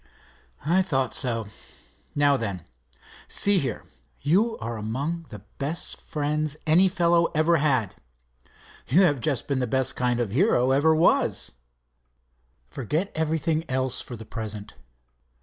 "I thought so. Now then, see here, you are among the best friends any fellow ever had. You have just been the best kind of a hero ever was. Forget everything else for the present.